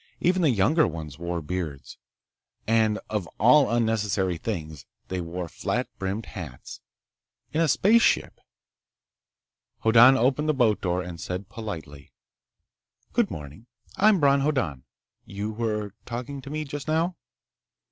Even the younger ones wore beards. And of all unnecessary things, they wore flat brimmed hats—in a spaceship! Hoddan opened the boat door and said politely: "Good morning. I'm Bron Hoddan. You were talking to me just now."